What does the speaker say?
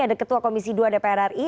ada ketua komisi dua dpr ri